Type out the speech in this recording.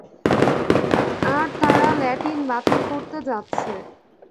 আর তারা ল্যাটিন বাতিল করতে যাচ্ছে।